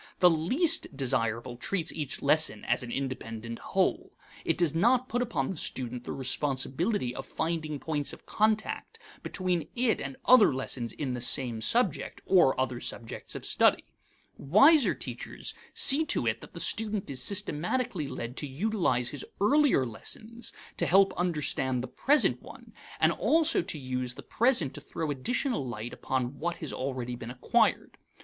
The least desirable treats each lesson as an independent whole. It does not put upon the student the responsibility of finding points of contact between it and other lessons in the same subject, or other subjects of study. Wiser teachers see to it that the student is systematically led to utilize his earlier lessons to help understand the present one, and also to use the present to throw additional light upon what has already been acquired.